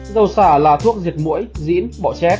dầu sả là thuốc diệt mũi dĩn bọ chét